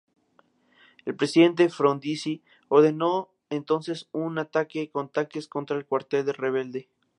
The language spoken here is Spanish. El presidente Frondizi ordenó entonces un ataque con tanques contra el cuartel rebelde.